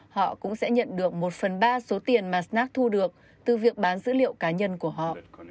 họ cũng sẽ nhận được một phần ba số tiền mà snack thu được từ việc bán dữ liệu cá nhân của họ